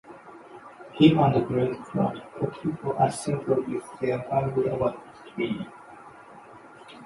He found a great crowd of people assembled with their families about the tree.